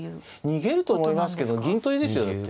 逃げると思いますけど銀取りですよだって。